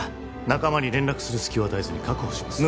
仲間に連絡する隙を与えずに確保します